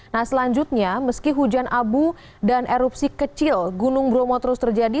nah selanjutnya meski hujan abu dan erupsi kecil gunung bromo terus terjadi